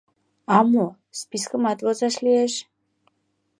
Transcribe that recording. А мо... спискымат возаш лиеш...